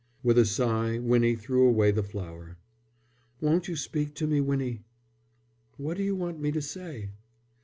With a sigh Winnie threw away the flower. "Won't you speak to me, Winnie?" "What do you want me to say?"